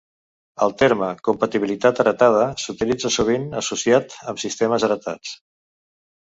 El terme "compatibilitat heretada" s'utilitza sovint associat amb sistemes heretats.